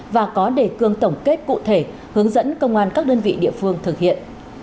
và có đề cương tổng kết cụ thể hướng dẫn công an các đơn vị địa phương thực hiện